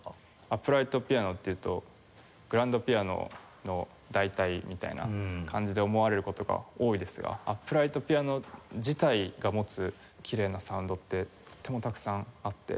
アップライトピアノっていうとグランドピアノの代替みたいな感じで思われる事が多いですがアップライトピアノ自体が持つきれいなサウンドってとてもたくさんあって。